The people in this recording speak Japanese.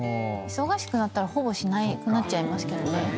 忙しくなったらほぼしなくなっちゃいますけどね。